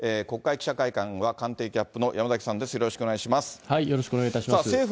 国会記者会館は官邸キャップの山崎さんです、よろしくお願いしまよろしくお願いいたします。